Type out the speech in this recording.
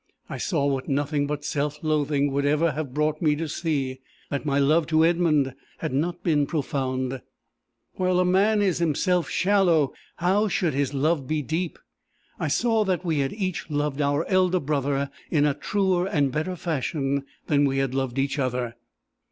I saw what nothing but self loathing would ever have brought me to see, that my love to Edmund had not been profound: while a man is himself shallow, how should his love be deep! I saw that we had each loved our elder brother in a truer and better fashion than we had loved each other.